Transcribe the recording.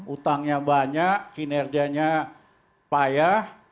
utangnya banyak kinerjanya payah